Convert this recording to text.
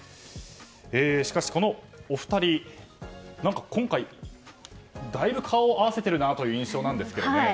しかしこのお二人、今回大分顔を合わせているなという印象なんですけどね。